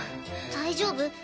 大丈夫？